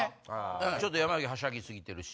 ちょっと山崎はしゃぎ過ぎてるし。